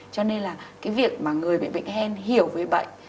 cho nên là cái việc mà người bị bệnh hen hiểu về bệnh